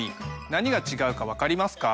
何が違うか分かりますか？